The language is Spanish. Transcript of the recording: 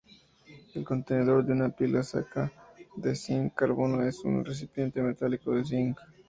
El contenedor de una pila seca de zinc-carbono es un recipiente metálico de zinc.